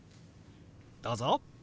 どうぞ！